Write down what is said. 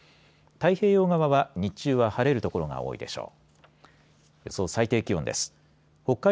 太平洋側は日中は晴れる所が多いでしょう。